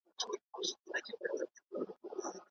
مستقیمه قومانده د کارونو په چټکتیا کي مرسته کوي.